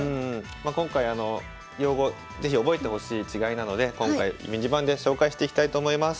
今回用語是非覚えてほしい違いなので今回ミニ盤で紹介していきたいと思います。